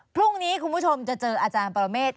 พรุ่งนี้คุณผู้ชมจะเจออาจารย์ปรเมฆ